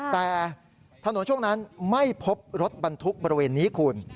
แต่ถนนช่วงนั้นไม่พบรถบรรทุกบริเวณนี้คุณ